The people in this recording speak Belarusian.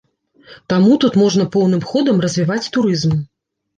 Таму тут можна поўным ходам развіваць турызм.